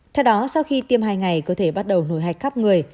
theo đó sau khi tiêm hai ngày cơ thể bắt đầu nổi hạch khắp người